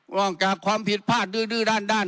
ว่ากับความผิดพลาดดื้อด้าน